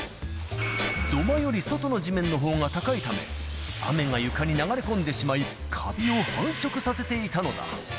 土間より外の地面のほうが高いため、雨が床に流れ込んでしまい、かびを繁殖させていたのだ。